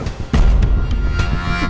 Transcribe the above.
lu sama sepatu alat